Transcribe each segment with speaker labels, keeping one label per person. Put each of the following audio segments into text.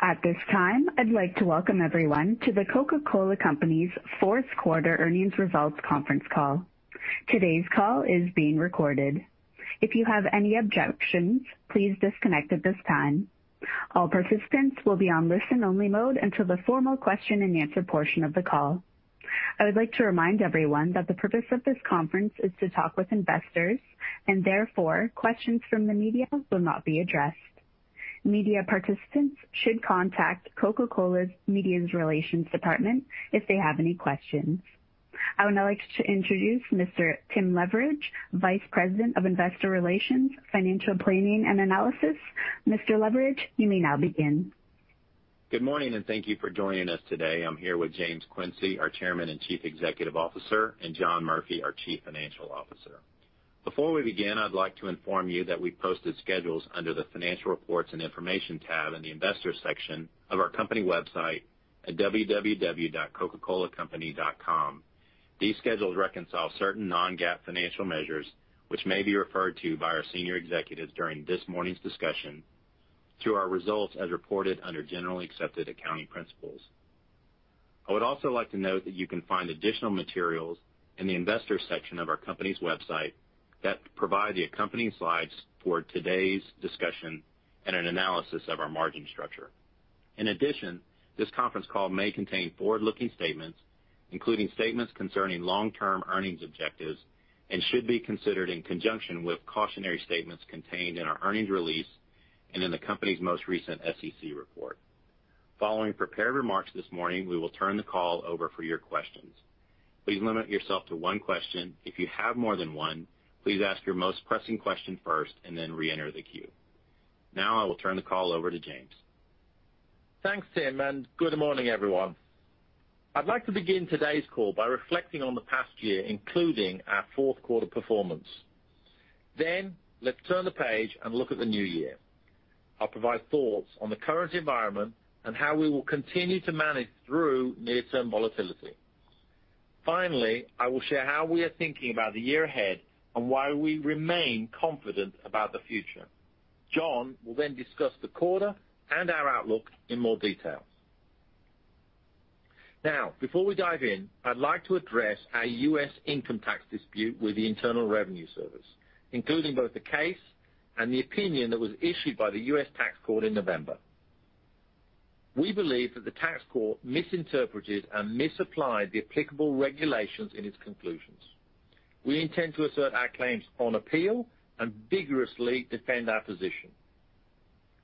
Speaker 1: At this time, I'd like to welcome everyone to The Coca-Cola Company's fourth quarter earnings results conference call. Today's call is being recorded. If you have any objections, please disconnect at this time. All participants will be on listen-only mode until the formal question-and-answer portion of the call. I would like to remind everyone that the purpose of this conference is to talk with investors and therefore, questions from the media will not be addressed. Media participants should contact Coca-Cola's media relations department if they have any questions. I would now like to introduce Mr. Tim Leveridge, Vice President of Investor Relations, Financial Planning, and Analysis. Mr. Leveridge, you may now begin.
Speaker 2: Good morning, and thank you for joining us today. I'm here with James Quincey, our Chairman and Chief Executive Officer, and John Murphy, our Chief Financial Officer. Before we begin, I'd like to inform you that we've posted schedules under the financial reports and information tab in the investors section of our company website at www.coca-colacompany.com. These schedules reconcile certain non-GAAP financial measures, which may be referred to by our senior executives during this morning's discussion to our results as reported under generally accepted accounting principles. I would also like to note that you can find additional materials in the investors section of our company's website that provide the accompanying slides for today's discussion and an analysis of our margin structure. In addition, this conference call may contain forward-looking statements, including statements concerning long-term earnings objectives and should be considered in conjunction with cautionary statements contained in our earnings release and in the company's most recent SEC report. Following prepared remarks this morning, we will turn the call over for your questions. Please limit yourself to one question. If you have more than one, please ask your most pressing question first and then reenter the queue. I will turn the call over to James.
Speaker 3: Thanks, Tim. Good morning, everyone. I'd like to begin today's call by reflecting on the past year, including our fourth quarter performance. Let's turn the page and look at the new year. I'll provide thoughts on the current environment and how we will continue to manage through near-term volatility. Finally, I will share how we are thinking about the year ahead and why we remain confident about the future. John will discuss the quarter and our outlook in more detail. Before we dive in, I'd like to address our U.S. income tax dispute with the Internal Revenue Service, including both the case and the opinion that was issued by the U.S. Tax Court in November. We believe that the Tax Court misinterpreted and misapplied the applicable regulations in its conclusions. We intend to assert our claims on appeal and vigorously defend our position.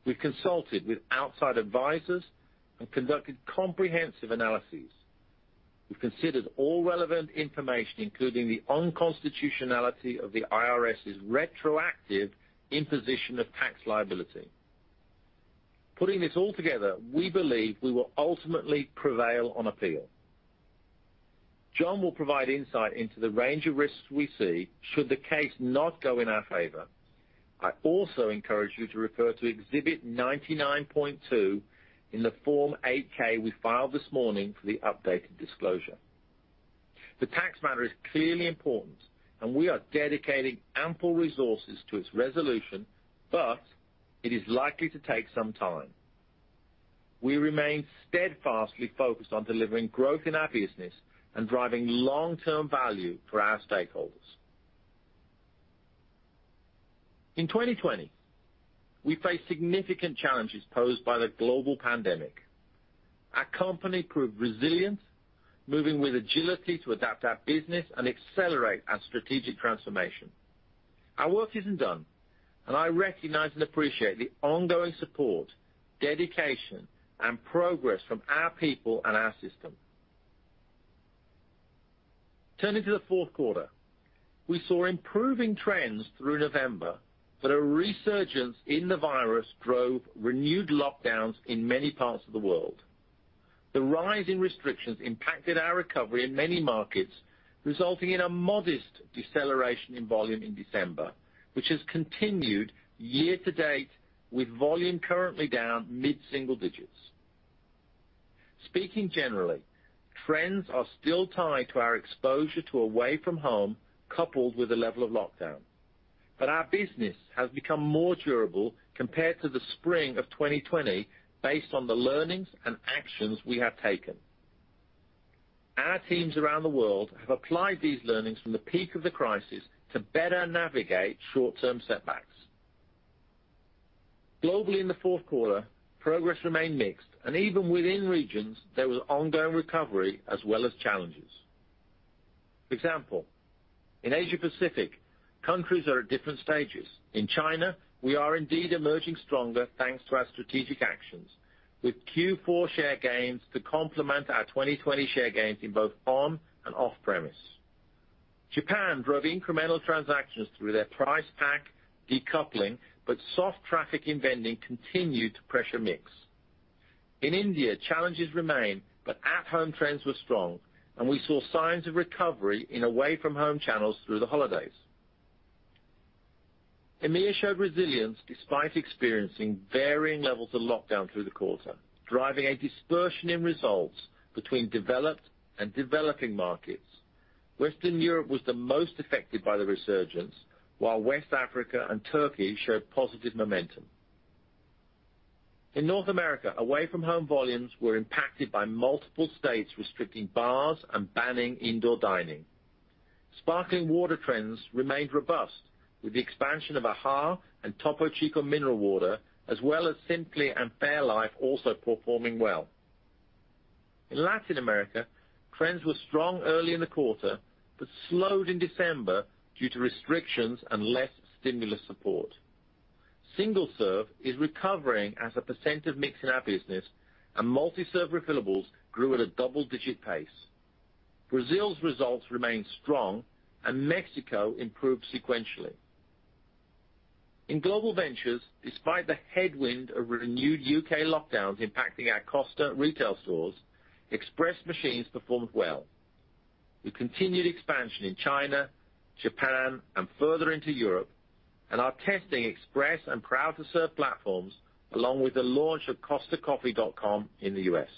Speaker 3: We've consulted with outside advisors and conducted comprehensive analyses. We've considered all relevant information, including the unconstitutionality of the IRS's retroactive imposition of tax liability. Putting this all together, we believe we will ultimately prevail on appeal. John will provide insight into the range of risks we see should the case not go in our favor. I also encourage you to refer to Exhibit 99.2 in the Form 8-K we filed this morning for the updated disclosure. The tax matter is clearly important, and we are dedicating ample resources to its resolution, but it is likely to take some time. We remain steadfastly focused on delivering growth in our business and driving long-term value for our stakeholders. In 2020, we faced significant challenges posed by the global pandemic. Our company proved resilient, moving with agility to adapt our business and accelerate our strategic transformation. Our work isn't done. I recognize and appreciate the ongoing support, dedication, and progress from our people and our system. Turning to the fourth quarter. We saw improving trends through November. A resurgence in the virus drove renewed lockdowns in many parts of the world. The rise in restrictions impacted our recovery in many markets, resulting in a modest deceleration in volume in December, which has continued year-to-date, with volume currently down mid-single-digits. Speaking generally, trends are still tied to our exposure to away-from-home, coupled with the level of lockdown. Our business has become more durable compared to the spring of 2020 based on the learnings and actions we have taken. Our teams around the world have applied these learnings from the peak of the crisis to better navigate short-term setbacks. Globally, in the fourth quarter, progress remained mixed, and even within regions, there was ongoing recovery as well as challenges. For example, in Asia-Pacific, countries are at different stages. In China, we are indeed emerging stronger thanks to our strategic actions. With Q4 share gains to complement our 2020 share gains in both on and off premise. Japan drove incremental transactions through their price pack decoupling, but soft traffic in vending continued to pressure mix. In India, challenges remain, but at-home trends were strong, and we saw signs of recovery in away-from-home channels through the holidays. EMEA showed resilience despite experiencing varying levels of lockdown through the quarter, driving a dispersion in results between developed and developing markets. Western Europe was the most affected by the resurgence, while West Africa and Turkey showed positive momentum. In North America, away-from-home volumes were impacted by multiple states restricting bars and banning indoor dining. Sparkling water trends remained robust with the expansion of AHA and Topo Chico mineral water, as well as Simply and fairlife also performing well. In Latin America, trends were strong early in the quarter, but slowed in December due to restrictions and less stimulus support. Single serve is recovering as a percent of mix in our business, and multi-serve refillables grew at a double-digit pace. Brazil's results remained strong and Mexico improved sequentially. In Global Ventures, despite the headwind of renewed U.K. lockdowns impacting our Costa retail stores, Express machines performed well. We continued expansion in China, Japan, and further into Europe, and are testing Express and Proud to Serve platforms, along with the launch of costacoffee.com in the U.S.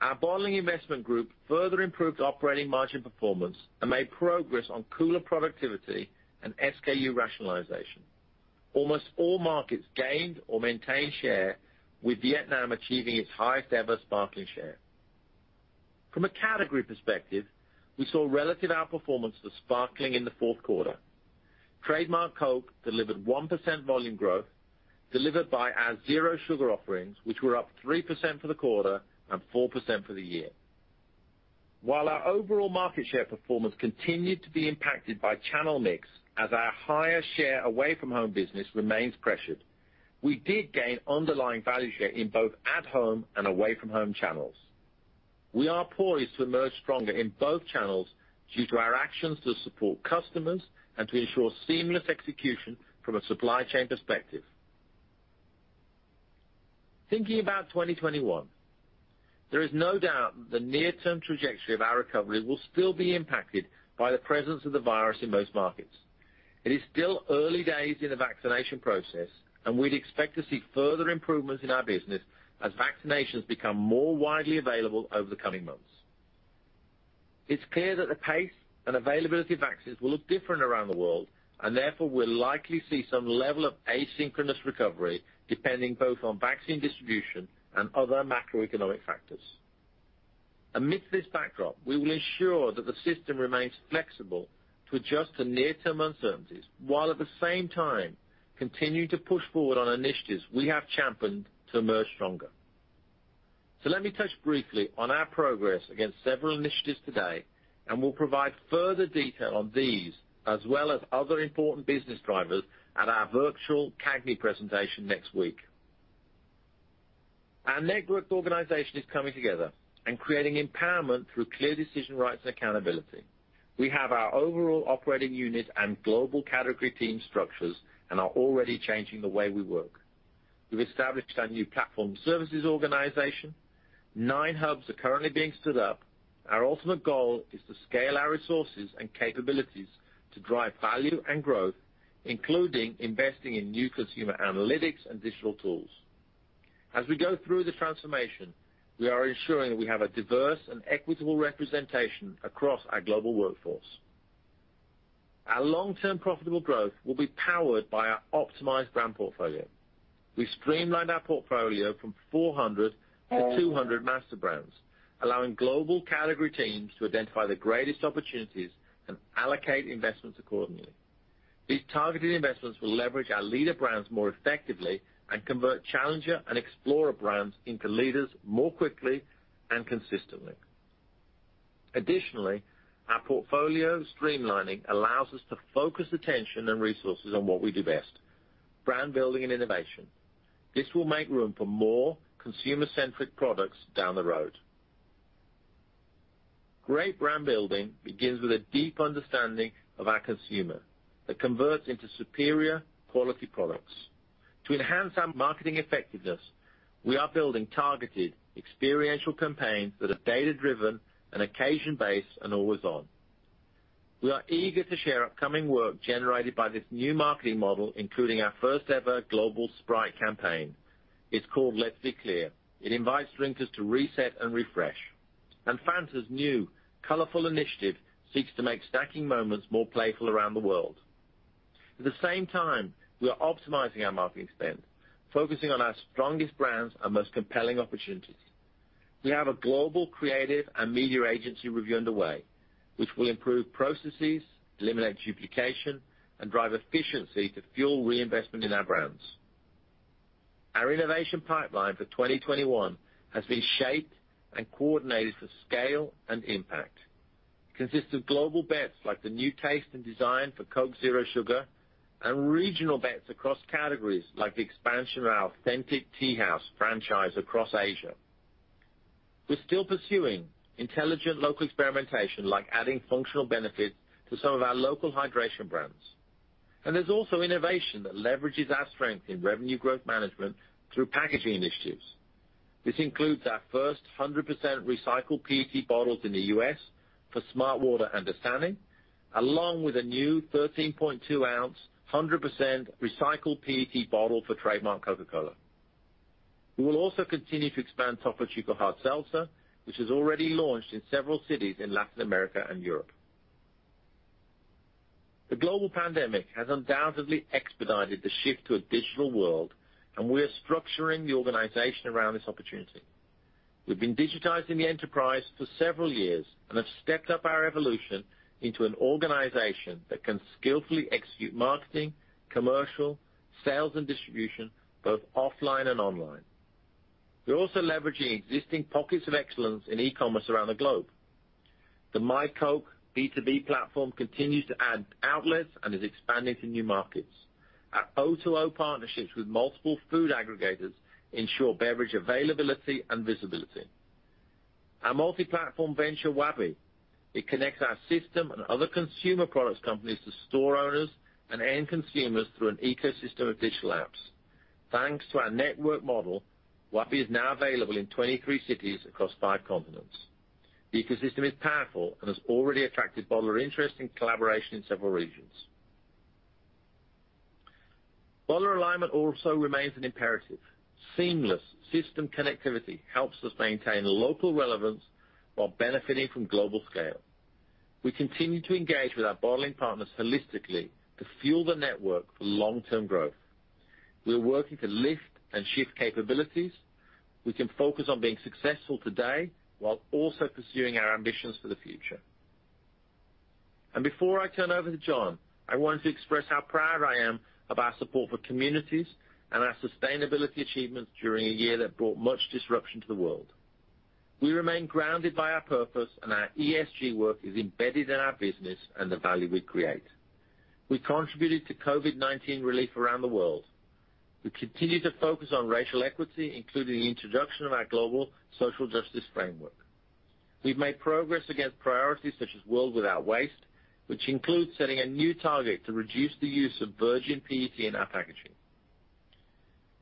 Speaker 3: Our Bottling Investments Group further improved operating margin performance and made progress on cooler productivity and SKU rationalization. Almost all markets gained or maintained share, with Vietnam achieving its highest ever sparkling share. From a category perspective, we saw relative outperformance for sparkling in the fourth quarter. Trademark Coke delivered 1% volume growth delivered by our zero sugar offerings, which were up 3% for the quarter and 4% for the year. While our overall market share performance continued to be impacted by channel mix as our higher share away-from-home business remains pressured, we did gain underlying value share in both at-home and away-from-home channels. We are poised to emerge stronger in both channels due to our actions to support customers and to ensure seamless execution from a supply chain perspective. Thinking about 2021, there is no doubt the near-term trajectory of our recovery will still be impacted by the presence of the virus in most markets. It is still early days in the vaccination process, and we'd expect to see further improvements in our business as vaccinations become more widely available over the coming months. It's clear that the pace and availability of vaccines will look different around the world, and therefore will likely see some level of asynchronous recovery, depending both on vaccine distribution and other macroeconomic factors. Amidst this backdrop, we will ensure that the system remains flexible to adjust to near-term uncertainties, while at the same time continue to push forward on initiatives we have championed to emerge stronger. Let me touch briefly on our progress against several initiatives today, and we'll provide further detail on these as well as other important business drivers at our virtual CAGNY presentation next week. Our networked organization is coming together and creating empowerment through clear decision rights and accountability. We have our overall operating unit and global category team structures and are already changing the way we work. We've established our new platform services organization. Nine hubs are currently being stood up. Our ultimate goal is to scale our resources and capabilities to drive value and growth, including investing in new consumer analytics and digital tools. As we go through the transformation, we are ensuring that we have a diverse and equitable representation across our global workforce. Our long-term profitable growth will be powered by our optimized brand portfolio. We streamlined our portfolio from 400 to 200 master brands, allowing global category teams to identify the greatest opportunities and allocate investments accordingly. These targeted investments will leverage our leader brands more effectively and convert challenger and explorer brands into leaders more quickly and consistently. Additionally, our portfolio streamlining allows us to focus attention and resources on what we do best, brand building and innovation. This will make room for more consumer-centric products down the road. Great brand building begins with a deep understanding of our consumer that converts into superior quality products. To enhance our marketing effectiveness, we are building targeted experiential campaigns that are data-driven and occasion-based and always on. We are eager to share upcoming work generated by this new marketing model, including our first ever global Sprite campaign. It's called Let's Be Clear. It invites drinkers to reset and refresh. Fanta's new colorful initiative seeks to make snacking moments more playful around the world. At the same time, we are optimizing our marketing spend, focusing on our strongest brands, our most compelling opportunities. We have a global creative and media agency review underway, which will improve processes, eliminate duplication, and drive efficiency to fuel reinvestment in our brands. Our innovation pipeline for 2021 has been shaped and coordinated for scale and impact. It consists of global bets like the new taste and design for Coke Zero Sugar and regional bets across categories like the expansion of our Authentic Tea House franchise across Asia. We're still pursuing intelligent local experimentation, like adding functional benefits to some of our local hydration brands. There's also innovation that leverages our strength in revenue growth management through packaging initiatives. This includes our first 100% recycled PET bottles in the U.S. for Smartwater and Dasani, along with a new 13.2 oz, 100% recycled PET bottle for trademark Coca-Cola. We will also continue to expand Topo Chico Hard Seltzer, which has already launched in several cities in Latin America and Europe. The global pandemic has undoubtedly expedited the shift to a digital world, and we are structuring the organization around this opportunity. We've been digitizing the enterprise for several years and have stepped up our evolution into an organization that can skillfully execute marketing, commercial, sales, and distribution, both offline and online. We're also leveraging existing pockets of excellence in e-commerce around the globe. The myCoke B2B platform continues to add outlets and is expanding to new markets. Our O2O partnerships with multiple food aggregators ensure beverage availability and visibility. Our multi-platform venture, Wabi, it connects our system and other consumer products companies to store owners and end consumers through an ecosystem of digital apps. Thanks to our network model, Wabi is now available in 23 cities across five continents. The ecosystem is powerful and has already attracted bottler interest and collaboration in several regions. Bottler alignment also remains an imperative. Seamless system connectivity helps us maintain local relevance while benefiting from global scale. We continue to engage with our bottling partners holistically to fuel the network for long-term growth. We are working to lift and shift capabilities. We can focus on being successful today while also pursuing our ambitions for the future. Before I turn over to John, I want to express how proud I am of our support for communities and our sustainability achievements during a year that brought much disruption to the world. We remain grounded by our purpose, and our ESG work is embedded in our business and the value we create. We contributed to COVID-19 relief around the world. We continue to focus on racial equity, including the introduction of our global social justice framework. We've made progress against priorities such as World Without Waste, which includes setting a new target to reduce the use of virgin PET in our packaging.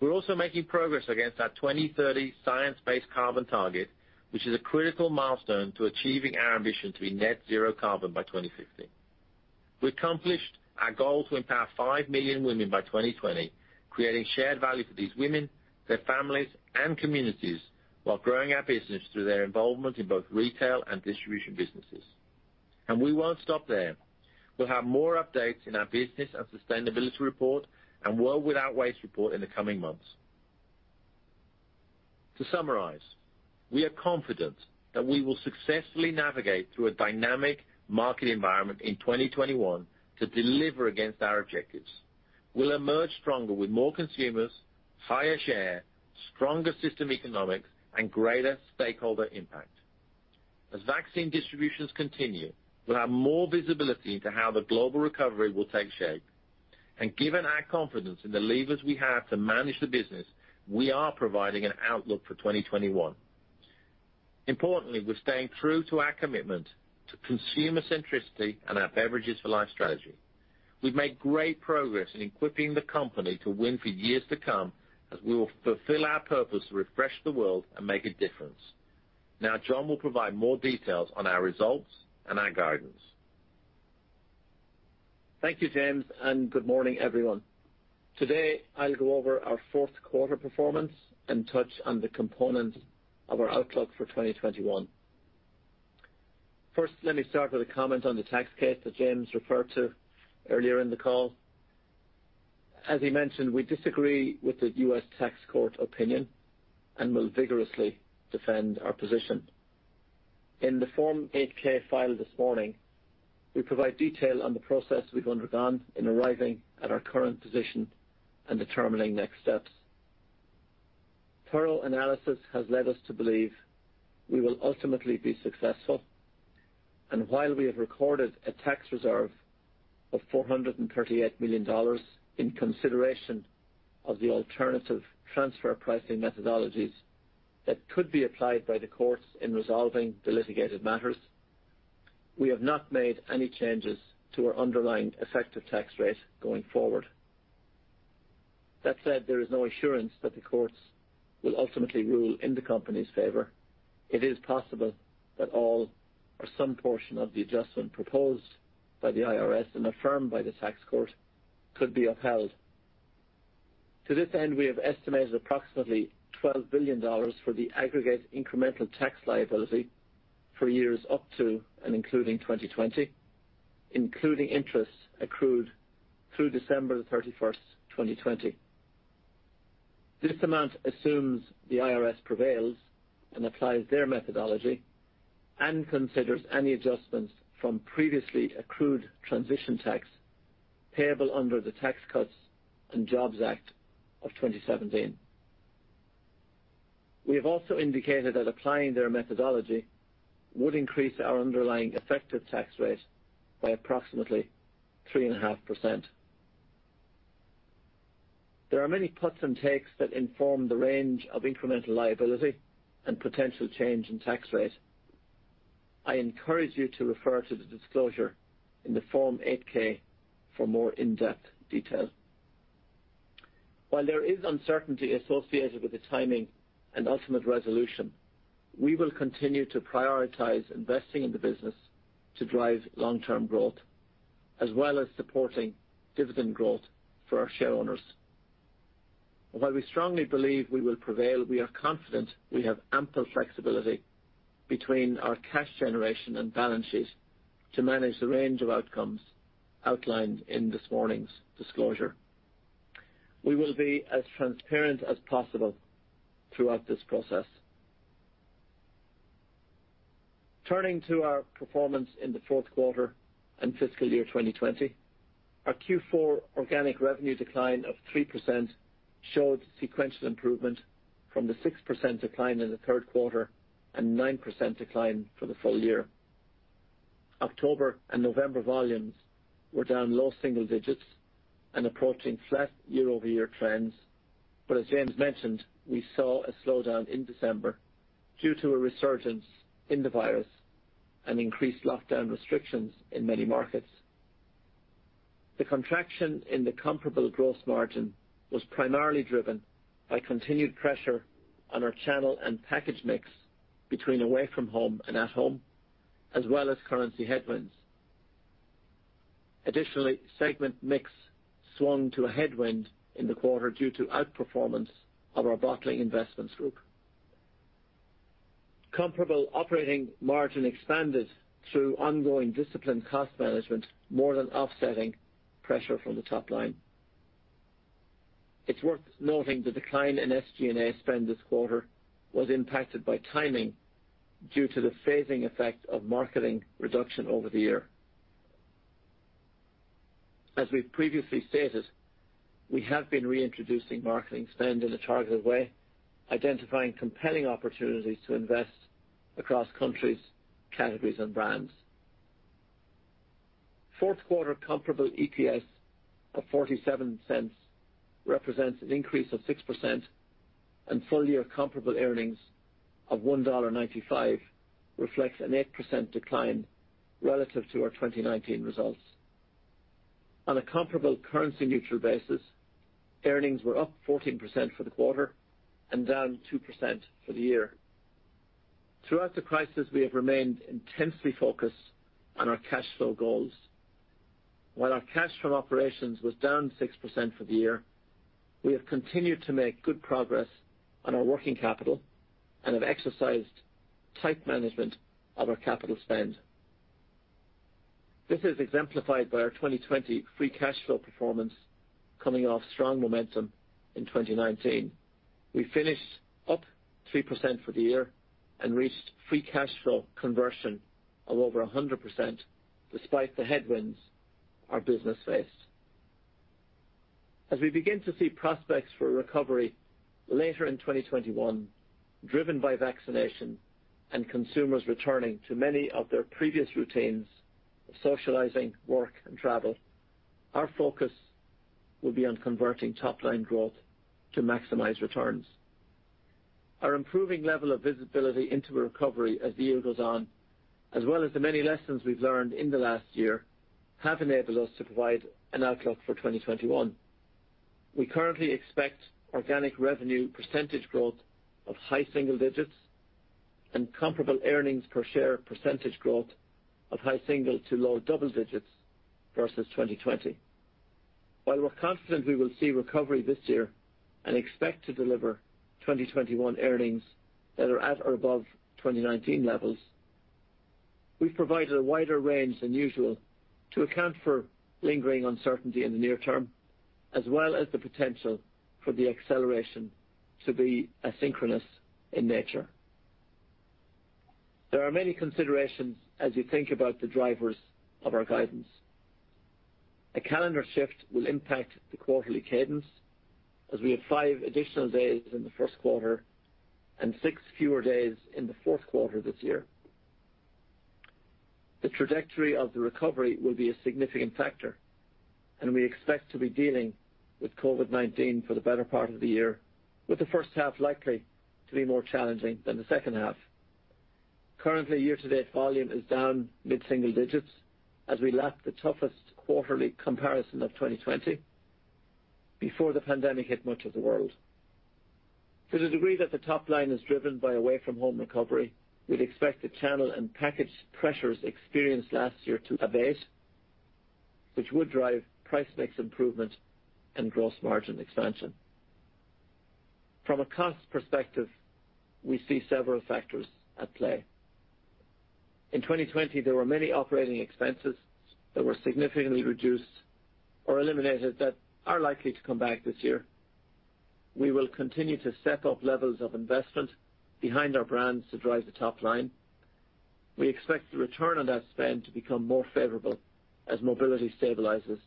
Speaker 3: We're also making progress against our 2030 science-based carbon target, which is a critical milestone to achieving our ambition to be net zero carbon by 2050. We accomplished our goal to empower 5 million women by 2020, creating shared value for these women, their families, and communities while growing our business through their involvement in both retail and distribution businesses. We won't stop there. We'll have more updates in our business and sustainability report and World Without Waste report in the coming months. To summarize, we are confident that we will successfully navigate through a dynamic market environment in 2021 to deliver against our objectives. We'll emerge stronger with more consumers, higher share, stronger system economics, and greater stakeholder impact. As vaccine distributions continue, we'll have more visibility into how the global recovery will take shape. Given our confidence in the levers we have to manage the business, we are providing an outlook for 2021. Importantly, we're staying true to our commitment to consumer centricity and our Beverages for Life strategy. We've made great progress in equipping the company to win for years to come as we will fulfill our purpose to refresh the world and make a difference. Now John will provide more details on our results and our guidance.
Speaker 4: Thank you, James, and good morning, everyone. Today, I'll go over our fourth quarter performance and touch on the component of our outlook for 2021. First, let me start with a comment on the tax case that James referred to earlier in the call. As he mentioned, we disagree with the U.S. Tax Court opinion and will vigorously defend our position. In the Form 8-K filed this morning, we provide detail on the process we've undergone in arriving at our current position and determining next steps. Thorough analysis has led us to believe we will ultimately be successful. While we have recorded a tax reserve of $438 million in consideration of the alternative transfer pricing methodologies that could be applied by the courts in resolving the litigated matters, we have not made any changes to our underlying effective tax rate going forward. That said, there is no assurance that the courts will ultimately rule in the company's favor. It is possible that all or some portion of the adjustment proposed by the IRS and affirmed by the Tax Court could be upheld. To this end, we have estimated approximately $12 billion for the aggregate incremental tax liability for years up to and including 2020, including interest accrued through December 31st, 2020. This amount assumes the IRS prevails and applies their methodology and considers any adjustments from previously accrued transition tax payable under the Tax Cuts and Jobs Act of 2017. We have also indicated that applying their methodology would increase our underlying effective tax rate by approximately 3.5%. There are many puts and takes that inform the range of incremental liability and potential change in tax rate. I encourage you to refer to the disclosure in the Form 8-K for more in-depth detail. While there is uncertainty associated with the timing and ultimate resolution, we will continue to prioritize investing in the business to drive long-term growth, as well as supporting dividend growth for our shareowners. While we strongly believe we will prevail, we are confident we have ample flexibility between our cash generation and balance sheet to manage the range of outcomes outlined in this morning's disclosure. We will be as transparent as possible throughout this process. Turning to our performance in the fourth quarter and fiscal year 2020. Our Q4 organic revenue decline of 3% showed sequential improvement from the 6% decline in the third quarter and 9% decline for the full year. October and November volumes were down low single digits and approaching flat year-over-year trends. As James mentioned, we saw a slowdown in December due to a resurgence in the virus and increased lockdown restrictions in many markets. The contraction in the comparable gross margin was primarily driven by continued pressure on our channel and package mix between away-from-home and at-home, as well as currency headwinds. Additionally, segment mix swung to a headwind in the quarter due to outperformance of our Bottling Investments Group. Comparable operating margin expanded through ongoing disciplined cost management, more than offsetting pressure from the top line. It's worth noting the decline in SG&A spend this quarter was impacted by timing due to the phasing effect of marketing reduction over the year. As we've previously stated, we have been reintroducing marketing spend in a targeted way, identifying compelling opportunities to invest across countries, categories, and brands. Fourth quarter comparable EPS of $0.47 represents an increase of 6%, and full-year comparable earnings of $1.95 reflects an 8% decline relative to our 2019 results. On a comparable currency-neutral basis, earnings were up 14% for the quarter and down 2% for the year. Throughout the crisis, we have remained intensely focused on our cash flow goals. While our cash from operations was down 6% for the year, we have continued to make good progress on our working capital and have exercised tight management of our capital spend. This is exemplified by our 2020 free cash flow performance coming off strong momentum in 2019. We finished up 3% for the year and reached free cash flow conversion of over 100% despite the headwinds our business faced. As we begin to see prospects for recovery later in 2021, driven by vaccination and consumers returning to many of their previous routines of socializing, work, and travel, our focus will be on converting top-line growth to maximize returns. Our improving level of visibility into a recovery as the year goes on, as well as the many lessons we've learned in the last year, have enabled us to provide an outlook for 2021. We currently expect organic revenue percentage growth of high single digits and comparable earnings per share percentage growth of high single to low double digits versus 2020. While we're confident we will see recovery this year and expect to deliver 2021 earnings that are at or above 2019 levels, we've provided a wider range than usual to account for lingering uncertainty in the near term, as well as the potential for the acceleration to be asynchronous in nature. There are many considerations as you think about the drivers of our guidance. A calendar shift will impact the quarterly cadence as we have five additional days in the first quarter and six fewer days in the fourth quarter this year. The trajectory of the recovery will be a significant factor, and we expect to be dealing with COVID-19 for the better part of the year, with the first half likely to be more challenging than the second half. Currently, year-to-date volume is down mid-single digits as we lap the toughest quarterly comparison of 2020 before the pandemic hit much of the world. To the degree that the top line is driven by away-from-home recovery, we'd expect the channel and package pressures experienced last year to abate, which would drive price mix improvement and gross margin expansion. From a cost perspective, we see several factors at play. In 2020, there were many operating expenses that were significantly reduced or eliminated that are likely to come back this year. We will continue to step up levels of investment behind our brands to drive the top line. We expect the return on that spend to become more favorable as mobility stabilizes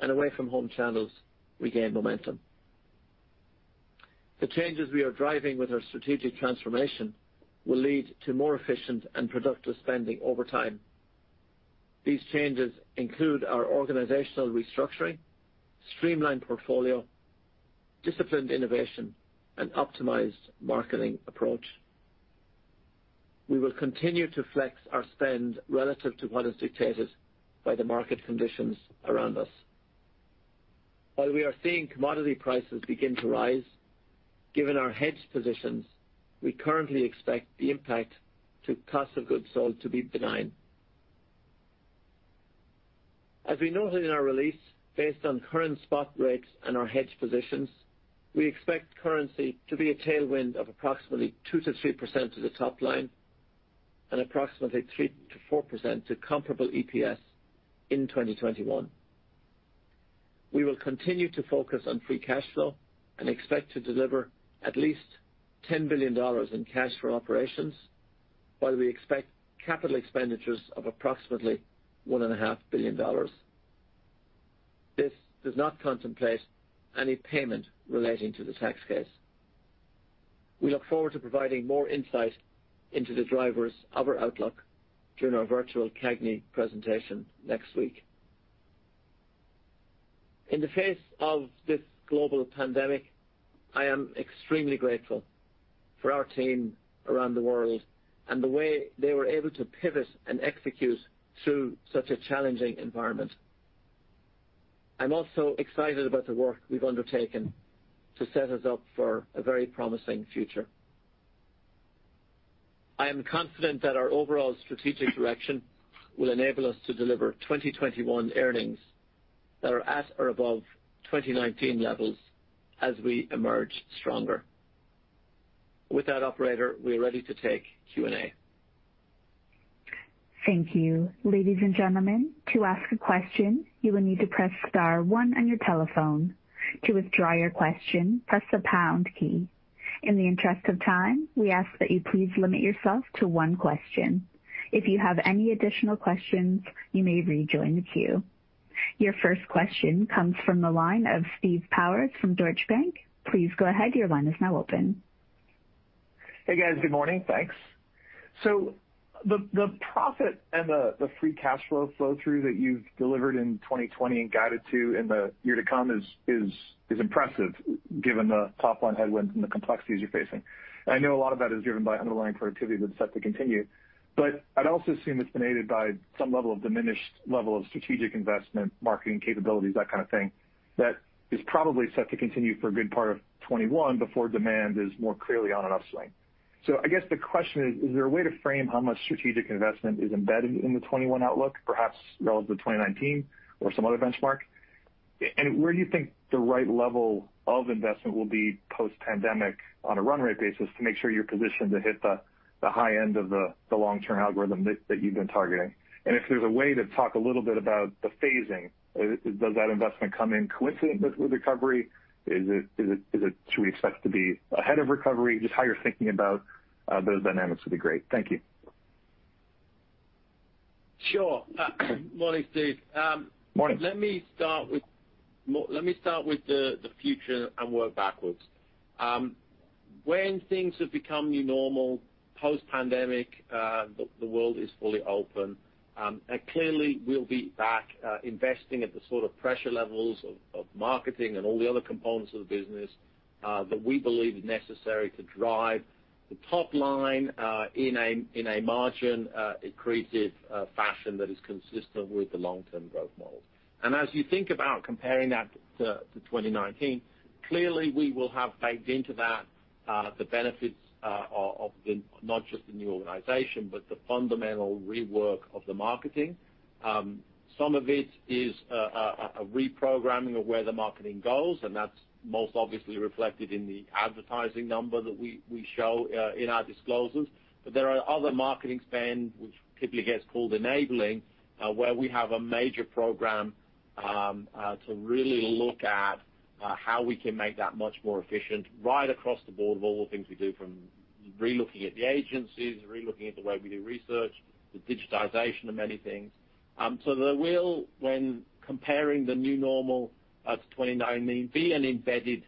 Speaker 4: and away-from-home channels regain momentum. The changes we are driving with our strategic transformation will lead to more efficient and productive spending over time. These changes include our organizational restructuring, streamlined portfolio, disciplined innovation, and optimized marketing approach. We will continue to flex our spend relative to what is dictated by the market conditions around us. While we are seeing commodity prices begin to rise, given our hedge positions, we currently expect the impact to cost of goods sold to be benign. As we noted in our release, based on current spot rates and our hedge positions, we expect currency to be a tailwind of approximately 2%-3% to the top line and approximately 3%-4% to comparable EPS in 2021. We will continue to focus on free cash flow and expect to deliver at least $10 billion in cash form operations, while we expect capital expenditures of approximately $1.5 billion. This does not contemplate any payment relating to the tax case. We look forward to providing more insight into the drivers of our outlook during our virtual CAGNY presentation next week. In the face of this global pandemic, I'm extremely grateful for our team around the world and the way they were able to pivot and execute through such a challenging environment. I'm also excited about the work we've undertaken to set us up for a very promising future. I am confident that our overall strategic direction will enable us to deliver 2021 earnings that are at or above 2019 levels as we emerge stronger. With that operator, we are ready to take Q&A.
Speaker 1: Thank you. Ladies and gentlemen, to ask a question, you will need to press star one on your telephone. To withdraw your question, press the pound key. In the interest of time, we ask that you please limit yourself to one question. If you have any additional questions, you may rejoin the queue. Your first question comes from the line of Steve Powers from Deutsche Bank. Please go ahead. Your line is now open.
Speaker 5: Hey, guys. Good morning. Thanks. The profit and the free cash flow through that you've delivered in 2020 and guided to in the year to come is impressive given the top-line headwinds and the complexities you're facing. I know a lot of that is driven by underlying productivity that's set to continue, but I'd also assume it's been aided by some level of diminished level of strategic investment, marketing capabilities, that kind of thing, that is probably set to continue for a good part of 2021 before demand is more clearly on an upswing. I guess the question is there a way to frame how much strategic investment is embedded in the 2021 outlook, perhaps relative to 2019 or some other benchmark? Where do you think the right level of investment will be post-pandemic on a run rate basis to make sure you're positioned to hit the high end of the long-term algorithm that you've been targeting? If there's a way to talk a little bit about the phasing, does that investment come in coincident with recovery? Should we expect to be ahead of recovery? Just how you're thinking about those dynamics would be great. Thank you.
Speaker 3: Sure. Morning, Steve.
Speaker 5: Morning.
Speaker 3: Let me start with the future and work backwards. When things have become new normal post pandemic, the world is fully open. Clearly we'll be back, investing at the sort of pressure levels of marketing and all the other components of the business that we believe is necessary to drive the top line, in a margin-accretive fashion that is consistent with the long-term growth model. As you think about comparing that to 2019, clearly we will have baked into that the benefits of not just the new organization, but the fundamental rework of the marketing. Some of it is a reprogramming of where the marketing goes, and that's most obviously reflected in the advertising number that we show in our disclosures. There are other marketing spend, which typically gets called enabling, where we have a major program to really look at how we can make that much more efficient right across the board of all the things we do, from relooking at the agencies, relooking at the way we do research, the digitization of many things. There will, when comparing the new normal to 2019, be an embedded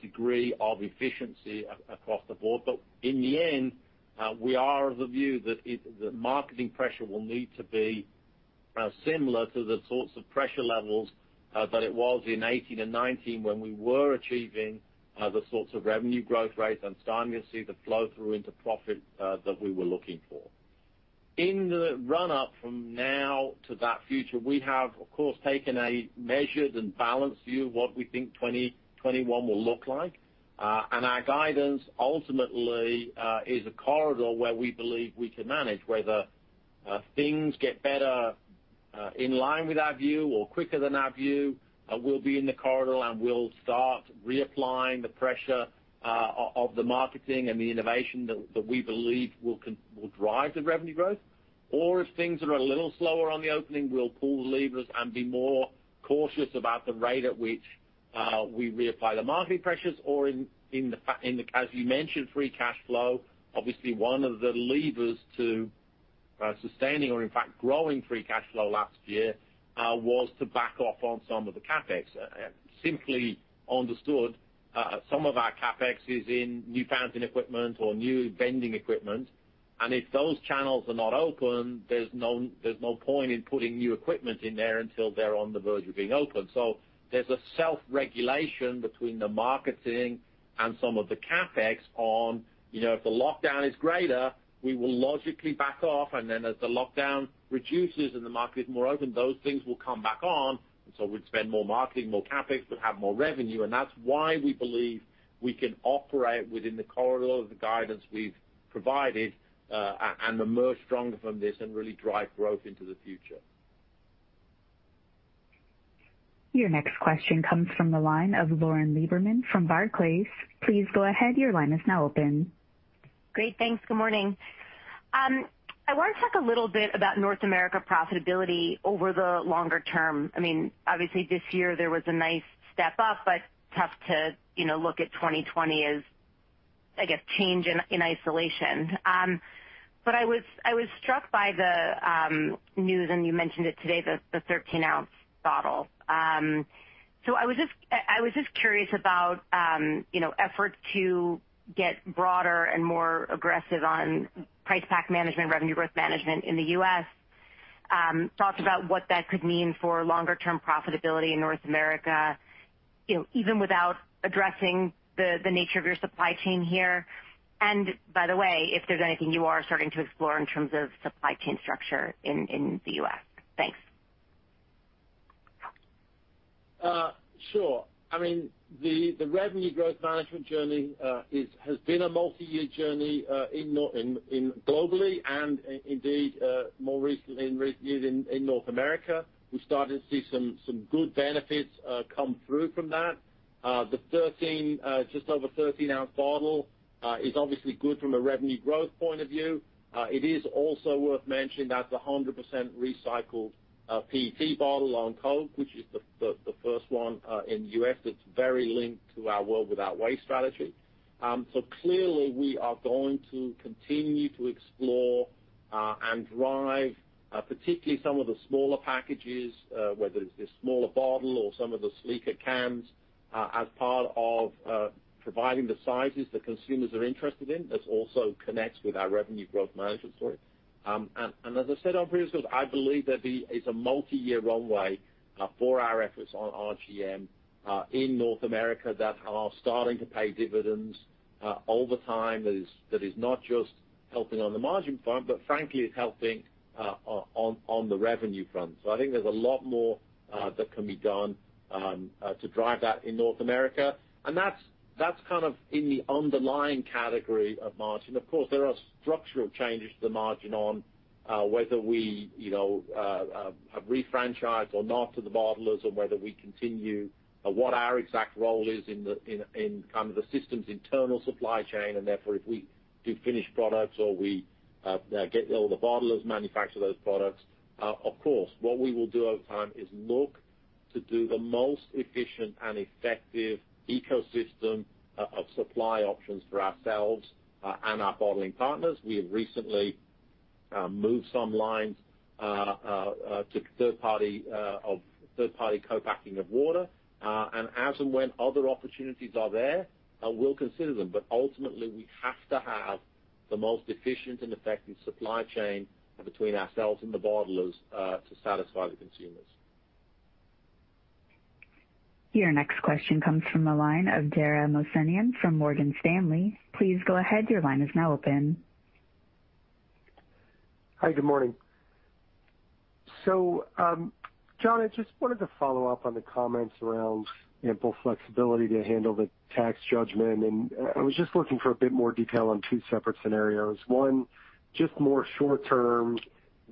Speaker 3: degree of efficiency across the board. In the end, we are of the view that marketing pressure will need to be similar to the sorts of pressure levels that it was in 2018 and 2019 when we were achieving the sorts of revenue growth rates and starting to see the flow-through into profit that we were looking for. In the run-up from now to that future, we have, of course, taken a measured and balanced view of what we think 2021 will look like. Our guidance ultimately is a corridor where we believe we can manage. Whether things get better in line with our view or quicker than our view, we'll be in the corridor, and we'll start reapplying the pressure of the marketing and the innovation that we believe will drive the revenue growth. If things are a little slower on the opening, we'll pull the levers and be more cautious about the rate at which we reapply the marketing pressures or in the, as you mentioned, free cash flow. Obviously, one of the levers to sustaining or in fact growing free cash flow last year was to back off on some of the CapEx. Simply understood, some of our CapEx is in new fountain equipment or new vending equipment. If those channels are not open, there's no point in putting new equipment in there until they're on the verge of being open. There's a self-regulation between the marketing and some of the CapEx on, if the lockdown is greater, we will logically back off, and then as the lockdown reduces and the market is more open, those things will come back on. We'd spend more marketing, more CapEx, we'd have more revenue, and that's why we believe we can operate within the corridor of the guidance we've provided, and emerge stronger from this and really drive growth into the future.
Speaker 1: Your next question comes from the line of Lauren Lieberman from Barclays. Please go ahead. Your line is now open.
Speaker 6: Great. Thanks. Good morning. I want to talk a little bit about North America profitability over the longer term. This year there was a nice step up, tough to look at 2020 as, I guess, change in isolation. I was struck by the news, and you mentioned it today, the 13 oz bottle. I was just curious about efforts to get broader and more aggressive on price pack management, revenue growth management in the U.S. Thoughts about what that could mean for longer term profitability in North America, even without addressing the nature of your supply chain here. By the way, if there's anything you are starting to explore in terms of supply chain structure in the U.S. Thanks.
Speaker 3: Sure. The revenue growth management journey has been a multi-year journey globally and indeed, more recently in North America. We're starting to see some good benefits come through from that. The just over 13 oz bottle is obviously good from a revenue growth point of view. It is also worth mentioning that's 100% recycled PET bottle on Coke, which is the first one in the U.S. that's very linked to our World Without Waste strategy. Clearly we are going to continue to explore and drive, particularly some of the smaller packages, whether it's the smaller bottle or some of the sleeker cans, as part of providing the sizes that consumers are interested in. This also connects with our revenue growth management story. As I said on previous calls, I believe that it's a multi-year runway for our efforts on RGM in North America that are starting to pay dividends over time that is not just helping on the margin front, but frankly is helping on the revenue front. I think there's a lot more that can be done to drive that in North America. That's in the underlying category of margin. There are structural changes to the margin on whether we have refranchised or not to the bottlers or whether we continue what our exact role is in the systems internal supply chain, and therefore, if we do finished products or we get all the bottlers manufacture those products. What we will do over time is look to do the most efficient and effective ecosystem of supply options for ourselves and our bottling partners. We have recently moved some lines to third party co-packing of water. As and when other opportunities are there, we'll consider them. Ultimately, we have to have the most efficient and effective supply chain between ourselves and the bottlers to satisfy the consumers.
Speaker 1: Your next question comes from the line of Dara Mohsenian from Morgan Stanley. Please go ahead.
Speaker 7: Hi. Good morning. John, I just wanted to follow up on the comments around ample flexibility to handle the tax judgment, and I was just looking for a bit more detail on two separate scenarios. One, just more short term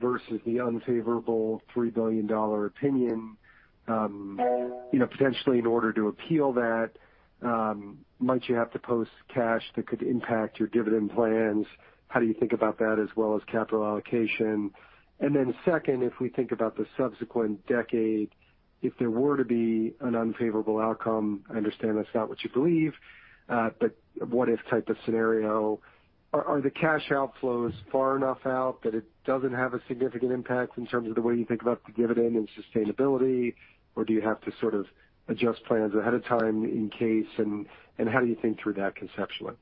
Speaker 7: versus the unfavorable $3 billion opinion, potentially in order to appeal that. Might you have to post cash that could impact your dividend plans? How do you think about that as well as capital allocation? Second, if we think about the subsequent decade, if there were to be an unfavorable outcome, I understand that's not what you believe, but what if type of scenario. Are the cash outflows far enough out that it doesn't have a significant impact in terms of the way you think about the dividend and sustainability, or do you have to adjust plans ahead of time in case, and how do you think through that conceptually?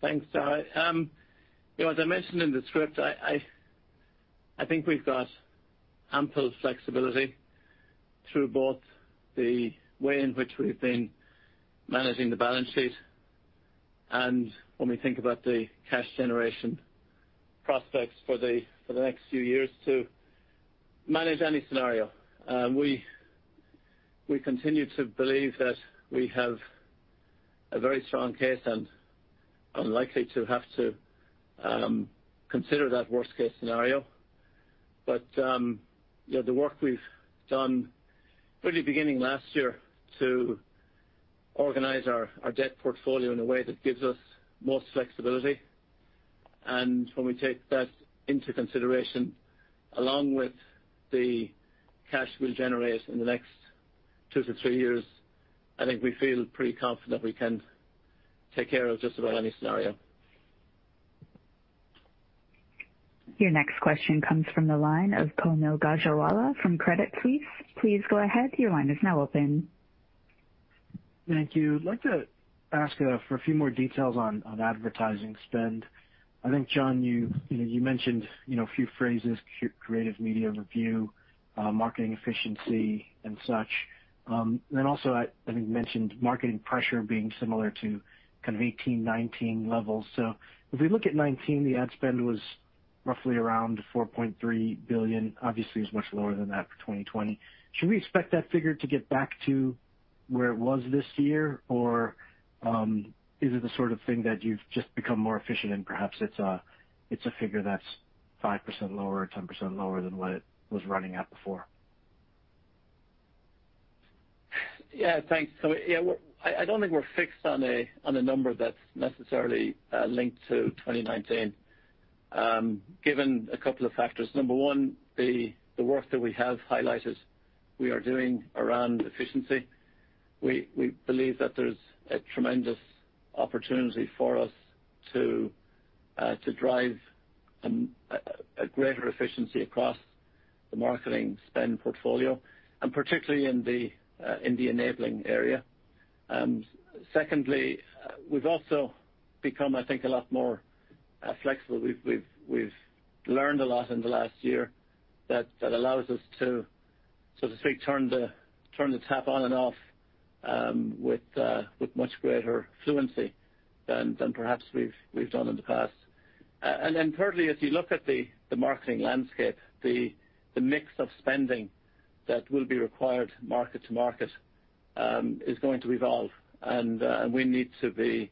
Speaker 4: Thanks, Dara. As I mentioned in the script, I think we've got ample flexibility through both the way in which we've been managing the balance sheet and when we think about the cash generation prospects for the next few years to manage any scenario. We continue to believe that we have a very strong case and unlikely to have to consider that worst case scenario. The work we've done really beginning last year to organize our debt portfolio in a way that gives us most flexibility, and when we take that into consideration, along with the cash we'll generate in the next two to three years, I think we feel pretty confident we can take care of just about any scenario.
Speaker 1: Your next question comes from the line of Kaumil Gajrawala from Credit Suisse. Please go ahead. Your line is now open.
Speaker 8: Thank you. I'd like to ask for a few more details on advertising spend. I think, John, you mentioned a few phrases, creative media review, marketing efficiency and such. Also, I think you mentioned marketing pressure being similar to kind of 2018, 2019 levels. If we look at 2019, the ad spend was roughly around $4.3 billion, obviously is much lower than that for 2020. Should we expect that figure to get back to where it was this year? Or is it the sort of thing that you've just become more efficient and perhaps it's a figure that's 5% lower or 10% lower than what it was running at before?
Speaker 4: Yeah. Thanks. I don't think we're fixed on a number that's necessarily linked to 2019, given a couple of factors. Number one, the work that we have highlighted we are doing around efficiency. We believe that there's a tremendous opportunity for us to drive a greater efficiency across the marketing spend portfolio, and particularly in the enabling area. Secondly, we've also become, I think, a lot more flexible. We've learned a lot in the last year that allows us to, so to speak, turn the tap on and off with much greater fluency than perhaps we've done in the past. Thirdly, if you look at the marketing landscape, the mix of spending that will be required market to market is going to evolve and we need to be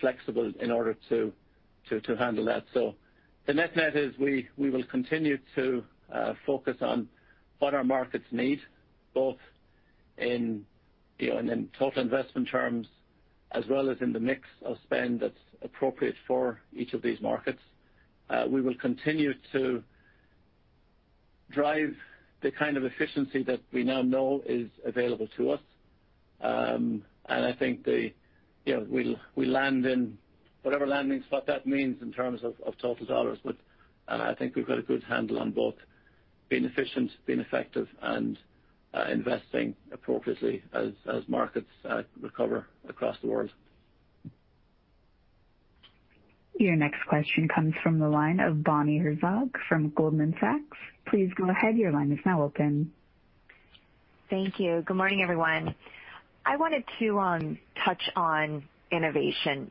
Speaker 4: flexible in order to handle that. The net is we will continue to focus on what our markets need, both in total investment terms, as well as in the mix of spend that's appropriate for each of these markets. We will continue to drive the kind of efficiency that we now know is available to us. I think we land in whatever landing spot that means in terms of total dollars, but I think we've got a good handle on both being efficient, being effective, and investing appropriately as markets recover across the world.
Speaker 1: Your next question comes from the line of Bonnie Herzog from Goldman Sachs. Please go ahead. Your line is now open.
Speaker 9: Thank you. Good morning, everyone. I wanted to touch on innovation.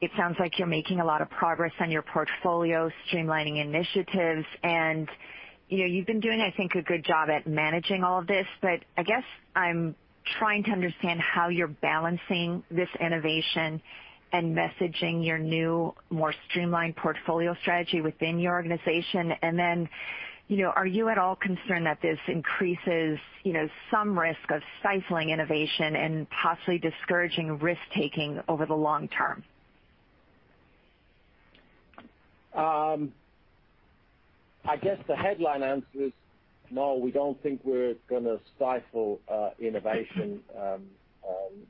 Speaker 9: It sounds like you're making a lot of progress on your portfolio streamlining initiatives, and you've been doing, I think, a good job at managing all of this, but I guess I'm trying to understand how you're balancing this innovation and messaging your new, more streamlined portfolio strategy within your organization. Are you at all concerned that this increases some risk of stifling innovation and possibly discouraging risk-taking over the long term?
Speaker 3: I guess the headline answer is no, we don't think we're going to stifle innovation.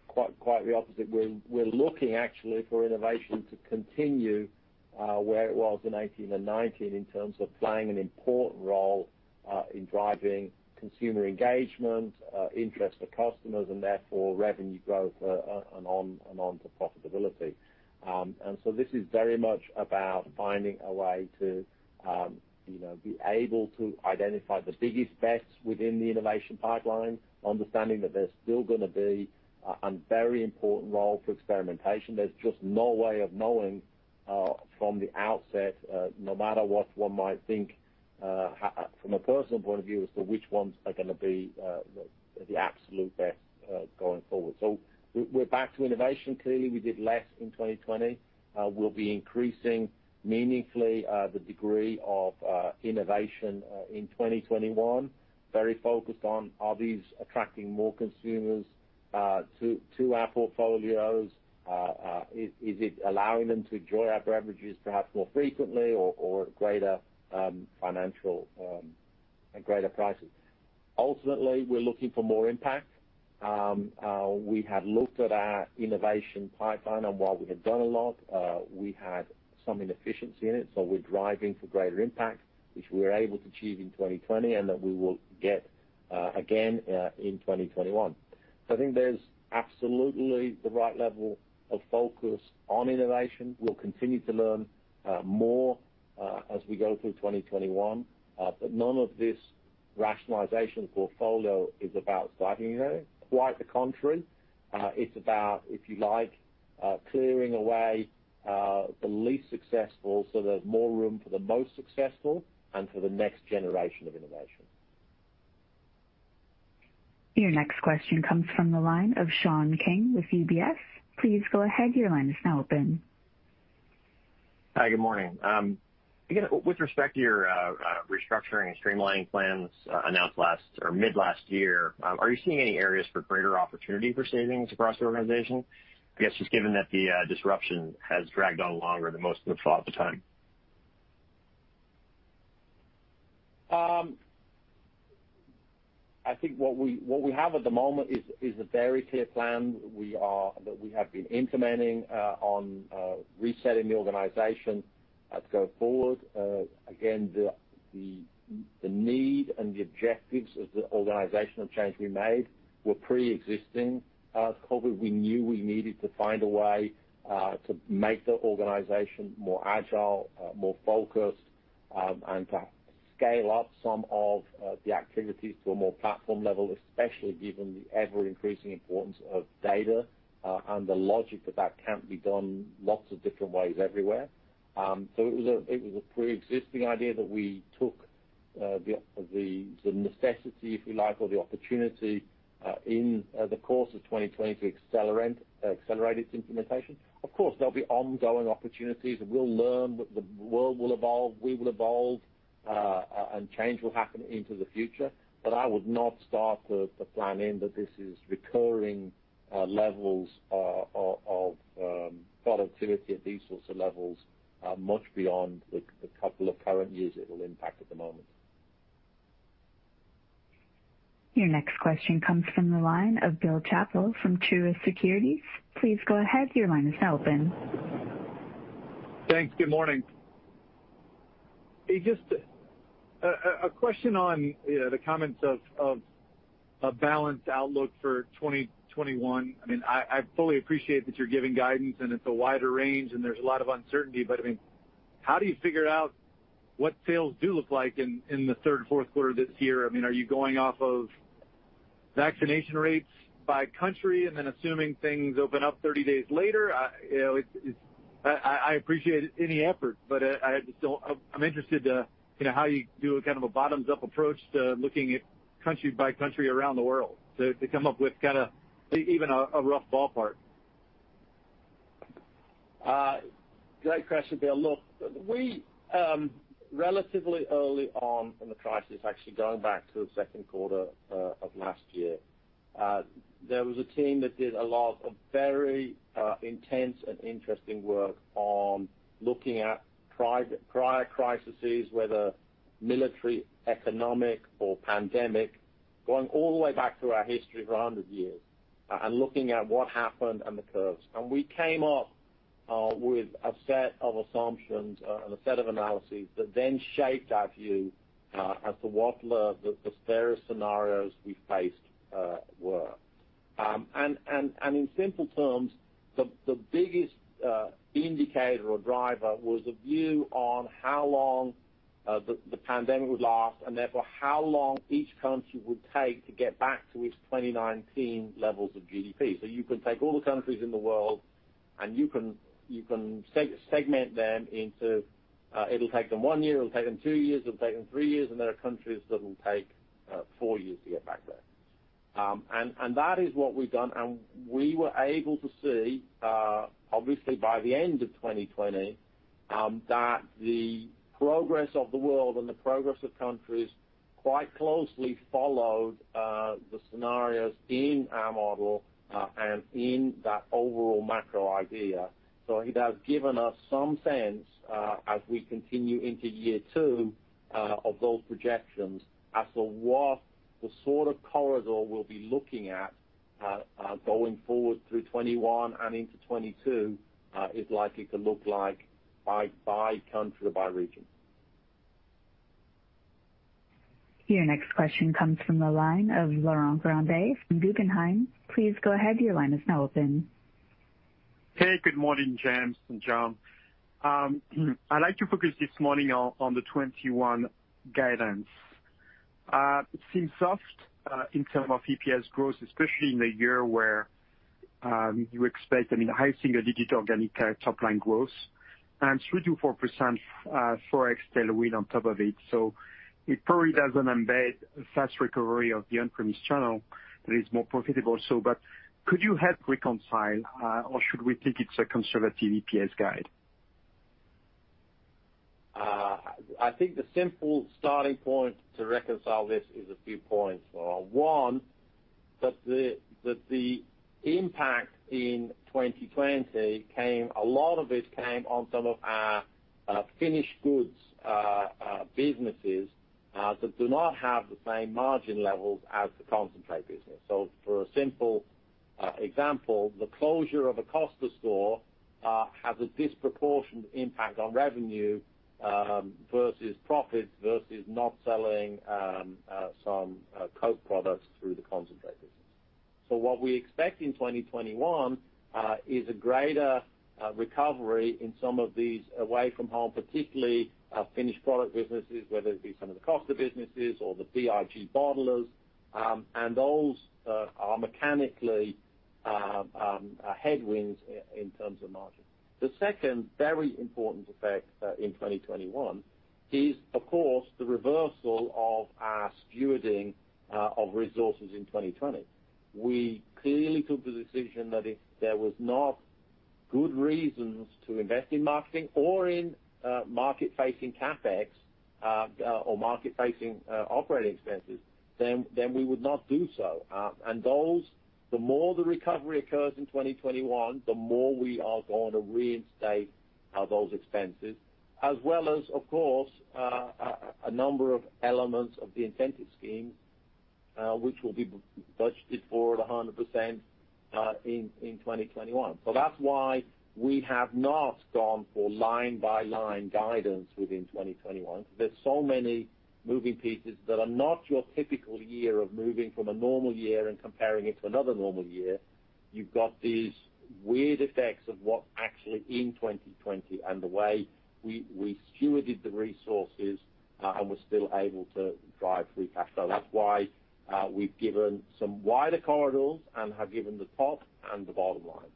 Speaker 3: Quite the opposite. We're looking actually for innovation to continue where it was in 2018 and 2019 in terms of playing an important role in driving consumer engagement, interest to customers, and therefore revenue growth and on to profitability. This is very much about finding a way to be able to identify the biggest bets within the innovation pipeline, understanding that there's still going to be a very important role for experimentation. There's just no way of knowing from the outset, no matter what one might think from a personal point of view as to which ones are going to be the absolute best going forward. So we're back to innovation. Clearly, we did less in 2020. We'll be increasing meaningfully the degree of innovation in 2021. Very focused on are these attracting more consumers to our portfolios? Is it allowing them to enjoy our beverages perhaps more frequently or at greater prices? Ultimately, we're looking for more impact. We have looked at our innovation pipeline, and while we had done a lot, we had some inefficiency in it. We're driving for greater impact, which we were able to achieve in 2020, and that we will get again in 2021. I think there's absolutely the right level of focus on innovation. We'll continue to learn more as we go through 2021. None of this rationalization portfolio is about stifling innovation. Quite the contrary. It's about, if you like, clearing away the least successful so there's more room for the most successful and for the next generation of innovation.
Speaker 1: Your next question comes from the line of Sean King with UBS. Please go ahead.
Speaker 10: Hi, good morning. With respect to your restructuring and streamlining plans announced mid last year, are you seeing any areas for greater opportunity for savings across the organization? I guess just given that the disruption has dragged on longer than most would have thought at the time.
Speaker 3: I think what we have at the moment is a very clear plan that we have been implementing on resetting the organization as go forward. The need and the objectives of the organizational change we made were pre-existing COVID. We knew we needed to find a way to make the organization more agile, more focused, and to scale up some of the activities to a more platform level, especially given the ever-increasing importance of data and the logic that can be done lots of different ways everywhere. It was a preexisting idea that we took the necessity, if you like, or the opportunity, in the course of 2020 to accelerate its implementation. Of course, there'll be ongoing opportunities, and we'll learn. The world will evolve, we will evolve, and change will happen into the future. I would not start the planning that this is recurring levels of productivity at these sorts of levels much beyond the couple of current years it'll impact at the moment.
Speaker 1: Your next question comes from the line of Bill Chappell from Truist Securities. Please go ahead. Your line is now open.
Speaker 11: Thanks. Good morning. Just a question on the comments of a balanced outlook for 2021. I fully appreciate that you're giving guidance. It's a wider range. There's a lot of uncertainty. How do you figure out what sales do look like in the third and fourth quarter of this year? Are you going off of vaccination rates by country then assuming things open up 30 days later? I appreciate any effort. I'm interested how you do a kind of a bottoms-up approach to looking at country by country around the world to come up with even a rough ballpark.
Speaker 3: Great question, Bill. Look, we relatively early on in the crisis, actually going back to the second quarter of last year, there was a team that did a lot of very intense and interesting work on looking at prior crises, whether military, economic or pandemic, going all the way back through our history for 100 years, and looking at what happened and the curves. We came up with a set of assumptions and a set of analyses that then shaped our view as to what the various scenarios we faced were. In simple terms, the biggest indicator or driver was a view on how long the pandemic would last and therefore how long each country would take to get back to its 2019 levels of GDP. You can take all the countries in the world and you can segment them into, it'll take them one year, it'll take them two years, it'll take them three years, and there are countries that'll take four years to get back there. That is what we've done. We were able to see, obviously by the end of 2020, that the progress of the world and the progress of countries quite closely followed the scenarios in our model and in that overall macro idea. It has given us some sense, as we continue into year two of those projections, as to what the sort of corridor we'll be looking at going forward through 2021 and into 2022 is likely to look like by country or by region.
Speaker 1: Your next question comes from the line of Laurent Grandet from Guggenheim. Please go ahead. Your line is now open.
Speaker 12: Hey, good morning, James and John. I'd like to focus this morning on the 2021 guidance. It seems soft in terms of EPS growth, especially in the year where you expect high single-digit organic top line growth and 3%-4% Forex tailwind on top of it. It probably doesn't embed a fast recovery of the on-premise channel that is more profitable. Could you help reconcile or should we think it's a conservative EPS guide?
Speaker 3: I think the simple starting point to reconcile this is a few points. One, that the impact in 2020, a lot of it came on some of our finished goods businesses that do not have the same margin levels as the concentrate business. For a simple example, the closure of a Costa store has a disproportionate impact on revenue versus profit, versus not selling some Coke products through the concentrate business. What we expect in 2021 is a greater recovery in some of these away-from-home, particularly our finished product businesses, whether it be some of the Costa businesses or the BIG bottlers. Those are mechanically headwinds in terms of margin. The second very important effect in 2021 is, of course, the reversal of our stewarding of resources in 2020. We clearly took the decision that if there was not good reasons to invest in marketing or in market-facing CapEx or market-facing operating expenses, then we would not do so. Those, the more the recovery occurs in 2021, the more we are going to reinstate those expenses, as well as, of course, a number of elements of the incentive schemes which will be budgeted for at 100% in 2021. That's why we have not gone for line-by-line guidance within 2021, because there's so many moving pieces that are not your typical year of moving from a normal year and comparing it to another normal year. You've got these weird effects of what actually in 2020, and the way we stewarded the resources and were still able to drive free cash flow. That's why we've given some wider corridors and have given the top and the bottom line,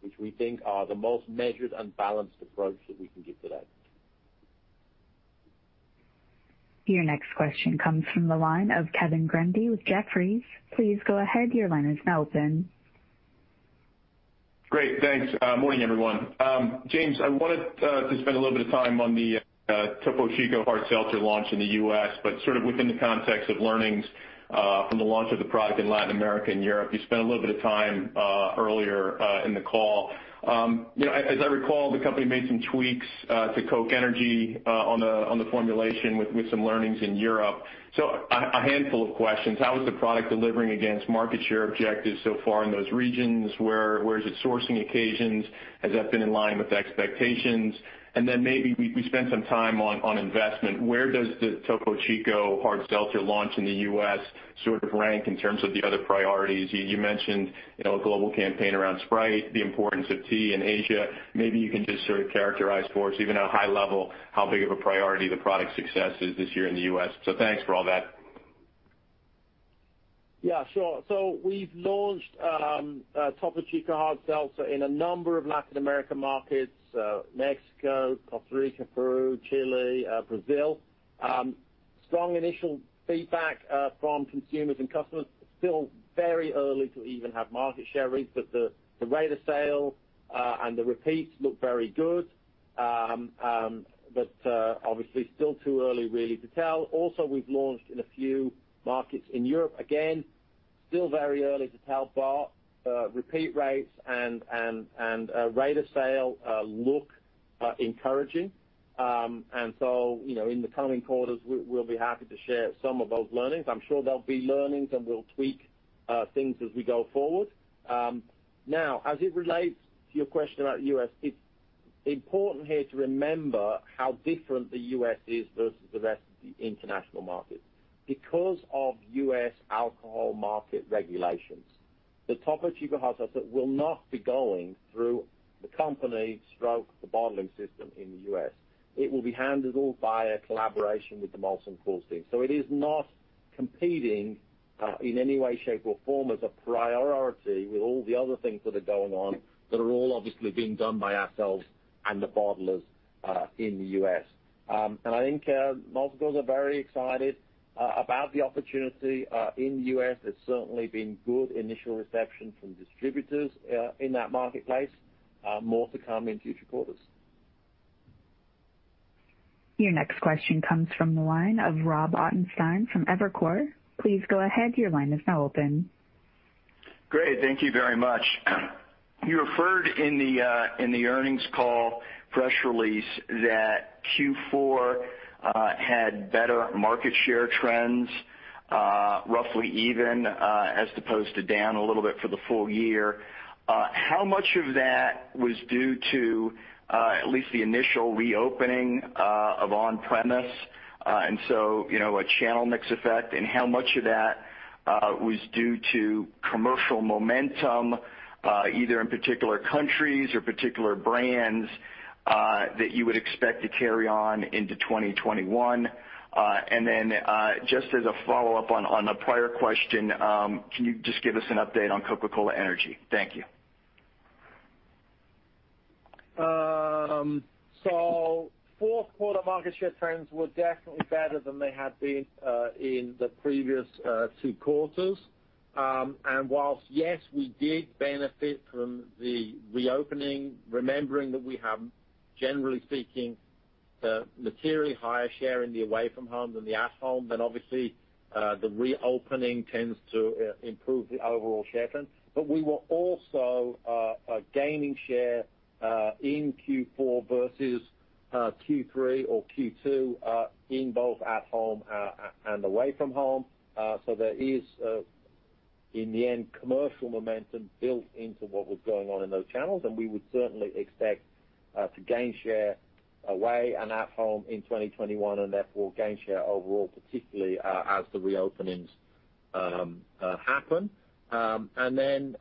Speaker 3: which we think are the most measured and balanced approach that we can give today.
Speaker 1: Your next question comes from the line of Kevin Grundy with Jefferies. Please go ahead.
Speaker 13: Great. Thanks. Morning, everyone. James, I wanted to spend a little bit of time on the Topo Chico Hard Seltzer launch in the U.S., but sort of within the context of learnings from the launch of the product in Latin America and Europe. You spent a little bit of time earlier in the call. As I recall, the company made some tweaks to Coke Energy on the formulation with some learnings in Europe. A handful of questions. How is the product delivering against market share objectives so far in those regions? Where is it sourcing occasions? Has that been in line with expectations? Maybe we spend some time on investment. Where does the Topo Chico Hard Seltzer launch in the U.S. sort of rank in terms of the other priorities? You mentioned a global campaign around Sprite, the importance of tea in Asia. Maybe you can just characterize for us, even at a high level, how big of a priority the product success is this year in the U.S.? Thanks for all that.
Speaker 3: Yeah, sure. We've launched Topo Chico Hard Seltzer in a number of Latin America markets. Mexico, Costa Rica, Peru, Chile, Brazil. Strong initial feedback from consumers and customers. Still very early to even have market share reads. The rate of sale and the repeats look very good. Obviously, still too early really to tell. Also, we've launched in a few markets in Europe. Again, still very early to tell, but repeat rates and rate of sale look encouraging. In the coming quarters, we'll be happy to share some of those learnings. I'm sure there'll be learnings, and we'll tweak things as we go forward. Now, as it relates to your question about the U.S., it's important here to remember how different the U.S. is versus the rest of the international markets. Because of U.S. alcohol market regulations, the Topo Chico Hard Seltzer will not be going through the company/the bottling system in the U.S. It will be handled all by a collaboration with the Molson Coors team. It is not competing in any way, shape, or form as a priority with all the other things that are going on that are all obviously being done by ourselves and the bottlers in the U.S. I think Molson Coors are very excited about the opportunity in the U.S. There's certainly been good initial reception from distributors in that marketplace. More to come in future quarters.
Speaker 1: Your next question comes from the line of Rob Ottenstein from Evercore. Please go ahead. Your line is now open.
Speaker 14: Great. Thank you very much. You referred in the earnings call press release that Q4 had better market share trends, roughly even, as opposed to down a little bit for the full year. How much of that was due to at least the initial reopening of on-premise? A channel mix effect, and how much of that was due to commercial momentum, either in particular countries or particular brands that you would expect to carry on into 2021? Just as a follow-up on the prior question, can you just give us an update on Coca-Cola Energy? Thank you.
Speaker 3: Fourth quarter market share trends were definitely better than they had been in the previous two quarters. Whilst, yes, we did benefit from the reopening, remembering that we have, generally speaking, materially higher share in the away-from-home than the at-home, then obviously, the reopening tends to improve the overall share trends. We were also gaining share in Q4 versus Q3 or Q2 in both at-home and away-from-home. There is, in the end, commercial momentum built into what was going on in those channels, and we would certainly expect to gain share away and at-home in 2021, and therefore gain share overall, particularly as the re-openings happen. Then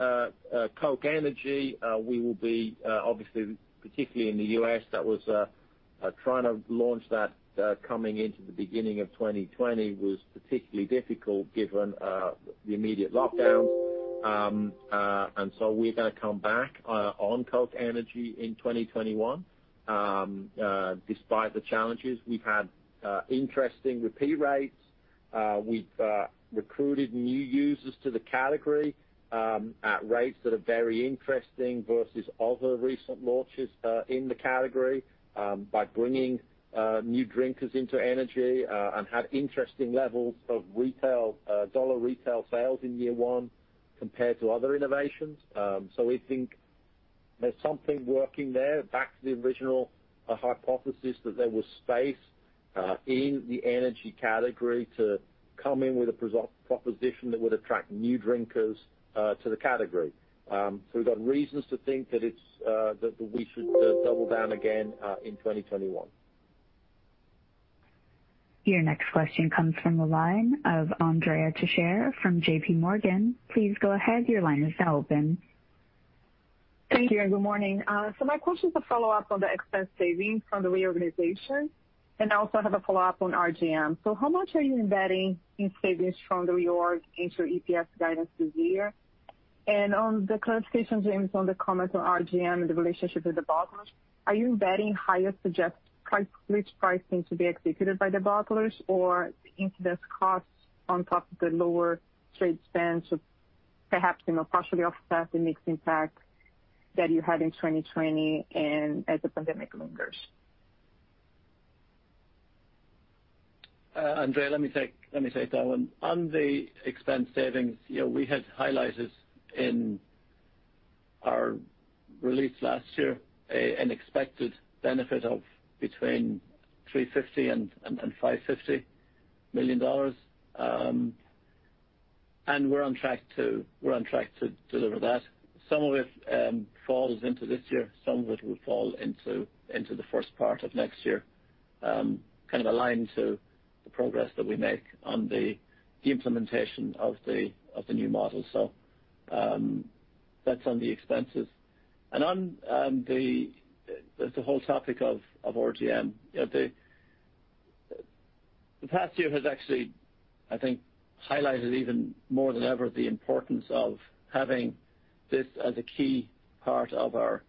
Speaker 3: Coke Energy, we will be, obviously, particularly in the U.S., trying to launch that coming into the beginning of 2020 was particularly difficult given the immediate lockdowns. We're going to come back on Coke Energy in 2021. Despite the challenges, we've had interesting repeat rates. We've recruited new users to the category at rates that are very interesting versus other recent launches in the category by bringing new drinkers into energy and had interesting levels of dollar retail sales in year one. Compared to other innovations. We think there's something working there. Back to the original hypothesis that there was space in the energy category to come in with a proposition that would attract new drinkers to the category. We've got reasons to think that we should double down again in 2021.
Speaker 1: Your next question comes from the line of Andrea Teixeira from JPMorgan. Please go ahead.
Speaker 15: Thank you, and good morning. My question is a follow-up on the expense savings from the reorganization, and I also have a follow-up on RGM. How much are you embedding in savings from the reorg into your EPS guidance this year? On the clarification, James, on the comment on RGM and the relationship with the bottlers, are you embedding higher price increases] to be executed by the bottlers or the increased cost on top of the lower trade spend to perhaps partially offset the mix impact that you had in 2020 and as the pandemic lingers?
Speaker 4: Andrea, let me take that one. On the expense savings, we had highlighted in our release last year an expected benefit of between $350 million and $550 million. We're on track to deliver that. Some of it falls into this year, some of it will fall into the first part of next year, kind of aligned to the progress that we make on the implementation of the new model. That's on the expenses. On the whole topic of RGM, the past year has actually, I think, highlighted even more than ever the importance of having this as a key part of our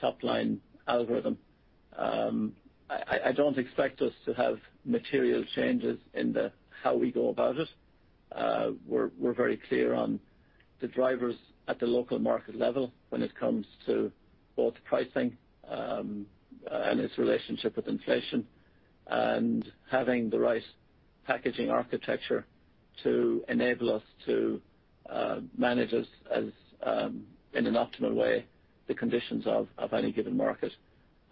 Speaker 4: top-line algorithm. I don't expect us to have material changes in how we go about it. We're very clear on the drivers at the local market level when it comes to both pricing, and its relationship with inflation and having the right packaging architecture to enable us to manage in an optimal way, the conditions of any given market.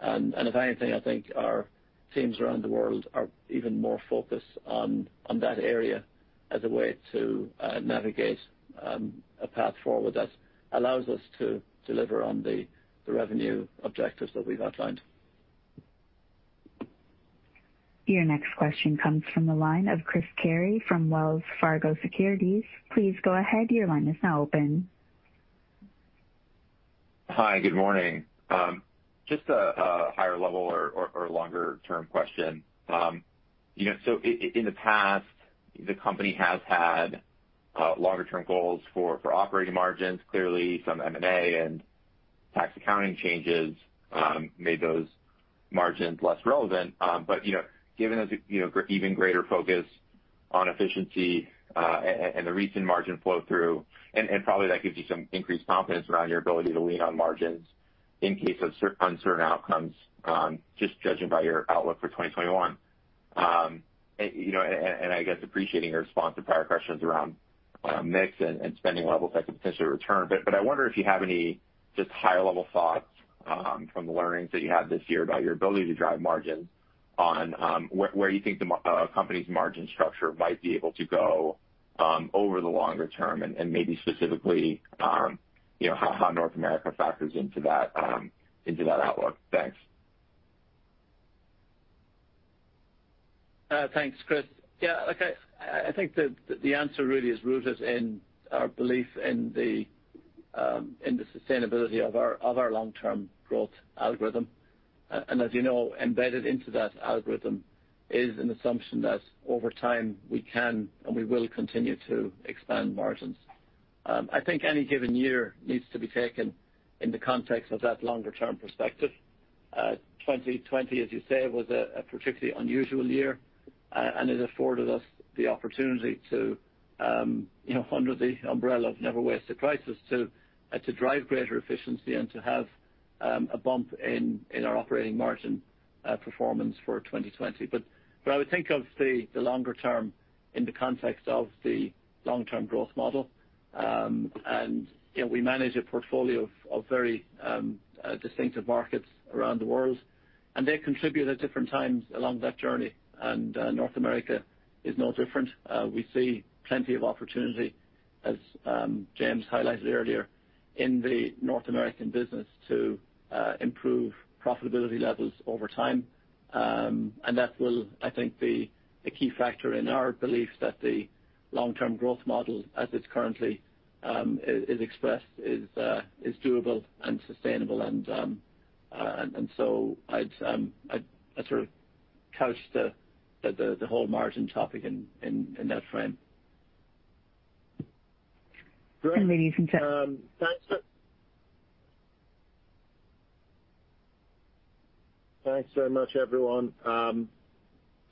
Speaker 4: If anything, I think our teams around the world are even more focused on that area as a way to navigate a path forward that allows us to deliver on the revenue objectives that we've outlined.
Speaker 1: Your next question comes from the line of Chris Carey from Wells Fargo Securities. Please go ahead. Your line is now open.
Speaker 16: Hi. Good morning. Just a higher level or longer-term question. In the past, the company has had longer-term goals for operating margins. Clearly, some M&A and tax accounting changes made those margins less relevant. Given even greater focus on efficiency, and the recent margin flow through, and probably that gives you some increased confidence around your ability to lean on margins in case of uncertain outcomes, just judging by your outlook for 2021. I guess appreciating your response to prior questions around mix and spending levels that could potentially return. I wonder if you have any just higher-level thoughts from the learnings that you had this year about your ability to drive margins on where you think the company's margin structure might be able to go over the longer term and maybe specifically how North America factors into that outlook. Thanks.
Speaker 4: Thanks, Chris. Yeah, look, I think that the answer really is rooted in our belief in the sustainability of our long-term growth algorithm. As you know, embedded into that algorithm is an assumption that over time we can and we will continue to expand margins. I think any given year needs to be taken in the context of that longer-term perspective. 2020, as you say, was a particularly unusual year, and it afforded us the opportunity to, under the umbrella of never waste a crisis, to drive greater efficiency and to have a bump in our operating margin performance for 2020. I would think of the longer term in the context of the long-term growth model. We manage a portfolio of very distinctive markets around the world, and they contribute at different times along that journey. North America is no different. We see plenty of opportunity, as James highlighted earlier, in the North American business to improve profitability levels over time. That will, I think, be a key factor in our belief that the long-term growth model as it's currently is expressed is doable and sustainable and so I'd sort of couch the whole margin topic in that frame.
Speaker 3: Thanks so much everyone.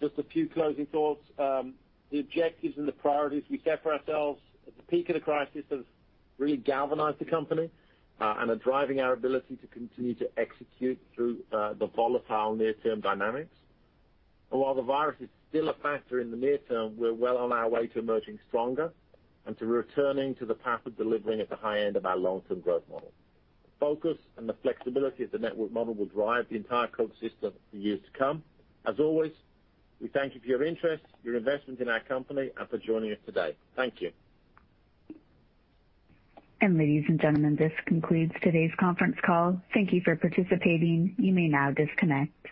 Speaker 3: Just a few closing thoughts. The objectives and the priorities we set for ourselves at the peak of the crisis have really galvanized the company, are driving our ability to continue to execute through the volatile near-term dynamics. While the virus is still a factor in the near term, we're well on our way to emerging stronger and to returning to the path of delivering at the high end of our long-term growth model. The focus and the flexibility of the network model will drive the entire Coke system for years to come. As always, we thank you for your interest, your investment in our company, and for joining us today. Thank you.
Speaker 1: Ladies and gentlemen, this concludes today's conference call. Thank you for participating. You may now disconnect.